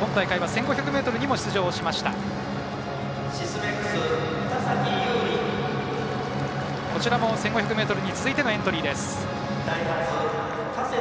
今大会は１５００ｍにも出場、井手彩乃。